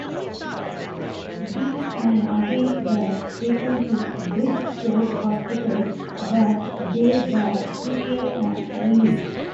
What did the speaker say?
Beech and Nathans were taken to Bridgeport Hospital where they were treated and released.